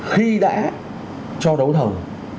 khi đã cho đấu thầu